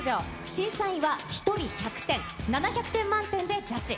審査員は１人１００点、７００点満点でジャッジ。